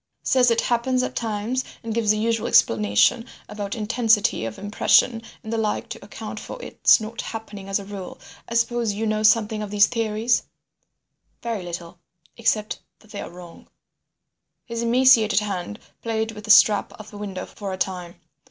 "Says it happens at times and gives the usual explanation about intensity of impression and the like to account for its not happening as a rule. I suppose you know something of these theories—" "Very little—except that they are wrong." His emaciated hand played with the strap of the window for a time.